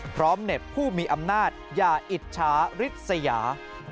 พร้อมเน็บผู้มีอำนาจอย่าอิจฉาริษยา